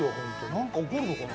なんか起こるのかな？